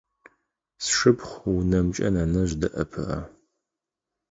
Сшыпхъу унэмкӏэ нэнэжъ дэӏэпыӏэ.